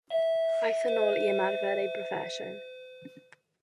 Aeth yn ôl i ymarfer ei broffesiwn.